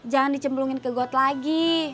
jangan dicemblungin ke got lagi